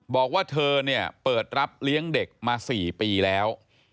บอกว่าเธอเนี่ยเปิดรับเลี้ยงเด็กมา๔ปีแล้ว